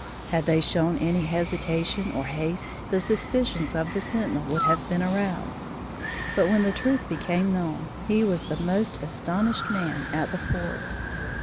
Had they shown any hesitation or haste, the suspicions of the sentinel would have been aroused, but when the truth became known, he was the most astonished man at the fort.